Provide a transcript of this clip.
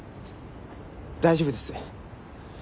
大丈夫です。